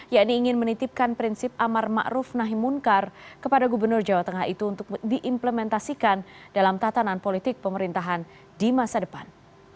yakni ingin menitipkan prinsip amar ⁇ maruf ⁇ nahi munkar kepada gubernur jawa tengah itu untuk diimplementasikan dalam tatanan politik pemerintahan di masa depan